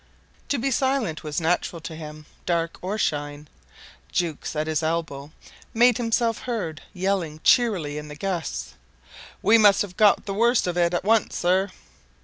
To be silent was natural to him, dark or shine. Jukes, at his elbow, made himself heard yelling cheerily in the gusts, "We must have got the worst of it at once, sir."